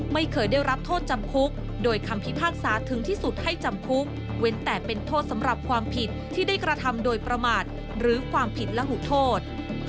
ไม่เคยได้รับโทษจำคุกโดยคำพิพากษาถึงที่สุดให้จำคุกเว้นแต่เป็นโทษสำหรับความผิดที่ได้กระทำโดยประมาทหรือความผิดและหูโทษ